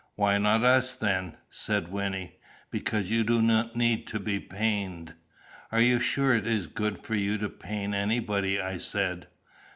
"Why not us, then?" said Wynnie. "Because you do not need to be pained." "Are you sure it is good for you to pain anybody?" I said.